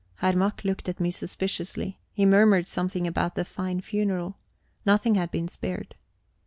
Herr Mack looked at me suspiciously. He murmured something about the fine funeral. Nothing had been spared.